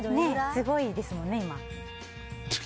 すごいですもんね、今。